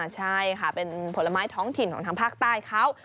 ใช่ค่ะเป็นผลไม้ท้องถิ่นของทางภาคใต้เขา